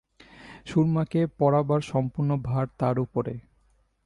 সুরমাকে পড়াবার সম্পূর্ণ ভার তার উপরে।